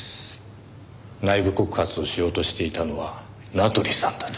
内部告発をしようとしていたのは名取さんだと。